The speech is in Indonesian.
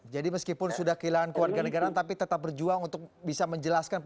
jadi meskipun sudah kehilangan kewarganegaraan tapi tetap berjuang untuk bisa menjelaskan paling penting